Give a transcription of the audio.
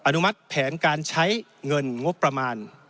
อนุมัติแผนการใช้เงินงบประมาณ